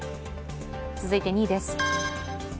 続いて２位です。